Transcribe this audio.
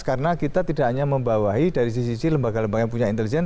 karena kita tidak hanya membawahi dari sisi lembaga lembaga yang punya intelijen